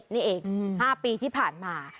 นี่เอง๕ปีที่ผ่านมา